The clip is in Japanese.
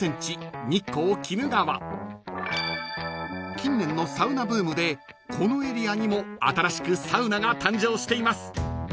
［近年のサウナブームでこのエリアにも新しくサウナが誕生しています］